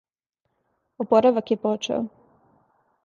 Опоравак је почео.